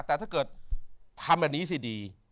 แต่ถ้าเกิดทำอันนี้สิดี